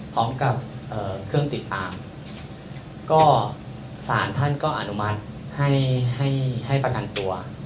พร้อมกับเครื่องติดตามก็สารท่านก็อนุมัติให้ให้ประกันตัว